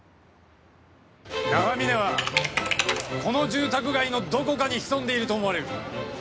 長嶺はこの住宅街のどこかに潜んでいると思われる。